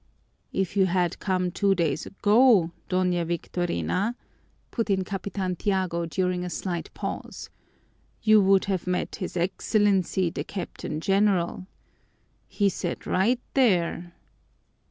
"If you had come two days ago, Doña Victorina," put in Capitan Tiago during a slight pause, "you would have met his Excellency, the Captain General. He sat right there."